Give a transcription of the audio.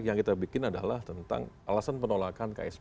yang kita bikin adalah tentang alasan penolakan ksp